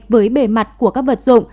với bề mặt của các vật dụng